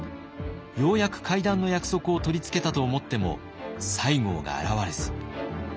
ようやく会談の約束を取り付けたと思っても西郷が現れず。